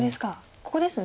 ここですね。